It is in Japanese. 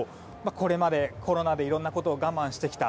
これまでコロナでいろんなことを我慢してきた。